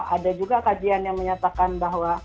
ada juga kajian yang menyatakan bahwa